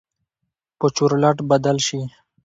به چورلټ بدل شي.